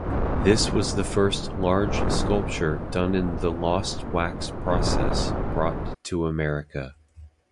This was the first, large sculpture, done in the "lost-wax" process, brought to America.